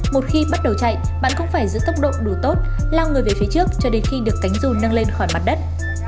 một khi bắt đầu chạy bạn cũng phải giữ tốc độ đủ tốt lao người về phía trước cho đến khi được cánh rù nâng lên khỏi mặt đất